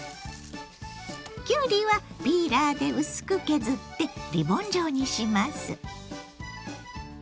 きゅうりはピーラーで薄く削ってリボン状にします。